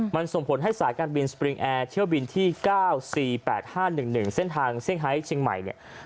มันส่งผลให้สายการบินสปริงแอร์เที่ยวบินที่๙๔๘๕๑๑เส้นทางเซี่ยเชียงใหม่เนี่ย